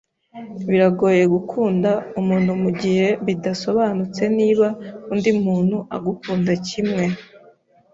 Biragoye gukunda umuntu mugihe bidasobanutse niba undi muntu agukunda kimwe.